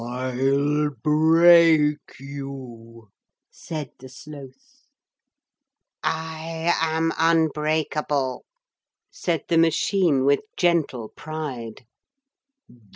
'I'll break you,' said the Sloth. 'I am unbreakable,' said the machine with gentle pride.